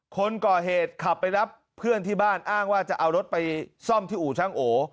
คนก่อเหตุขับไปรับเพื่อนที่บ้านอ้างว่าจะเอารถไปซ่อมที่อู่ช่างโอ